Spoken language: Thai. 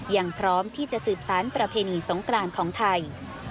ยังพร้อมที่จะสืบสารประเพณีสงกรานของไทย